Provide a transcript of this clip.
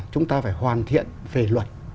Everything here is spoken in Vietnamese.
chúng ta phải hoàn thiện về luật